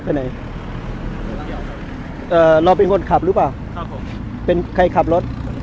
เอ๋อเราเป็นคนขับรู้ป่าวครับผมเป็นใครขับรถ